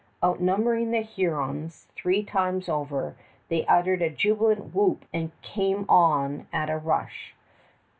Outnumbering the Hurons three times over, they uttered a jubilant whoop and came on at a rush.